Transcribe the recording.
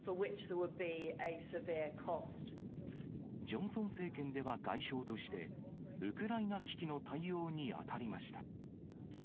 ジョンソン政権では外相として、ウクライナ危機の対応に当たりました。